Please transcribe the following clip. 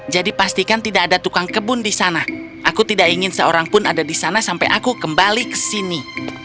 jadi pastikan tidak ada tukang kebun di sana aku tidak ingin seorangpun ada di sana sampai aku kembali ke sini